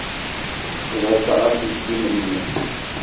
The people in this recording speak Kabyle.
Sseqdaceɣ aselkim-nni.